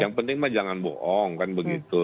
yang penting mah jangan bohong kan begitu